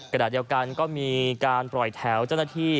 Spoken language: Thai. ขณะเดียวกันก็มีการปล่อยแถวเจ้าหน้าที่